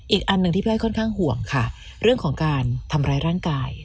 อีกอันหนึ่งที่พี่อ้อยค่อนข้างห่วงค่ะเรื่องของการทำร้ายร่างกาย